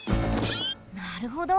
なるほど。